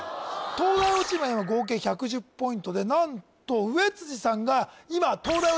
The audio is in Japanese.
東大王チームは今合計１１０ポイントで何と頑張れ！